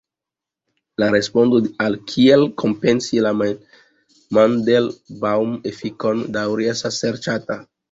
La respondo al kiel kompensi la "Mandelbaŭm-efikon" daŭre estas serĉata.